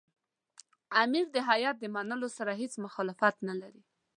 امیر د هیات د منلو سره هېڅ مخالفت نه لري.